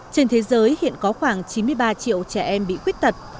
trên thế giới hiện có khoảng chín mươi ba triệu trẻ em bị khuyết tật